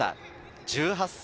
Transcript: １８歳。